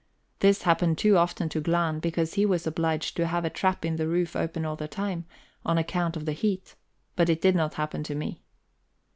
This happened too often to Glahn, because he was obliged to have a trap in the roof open all the time, on account of the heat; but it did not happen to me.